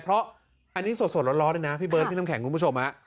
เพราะอันนี้สดสดระว่างน่ะนะพี่เบิ้ลพี่น้ำแข็งคุณผู้ชมอ่ะ